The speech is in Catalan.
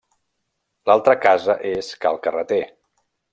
L'altra casa és Cal Carreter.